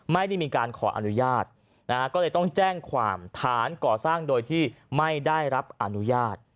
ไม่ได้มีการขออนุญาตนะฮะก็เลยต้องแจ้งความฐานก่อสร้างโดยที่ไม่ได้รับอนุญาต